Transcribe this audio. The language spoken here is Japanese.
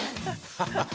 ハハハハ。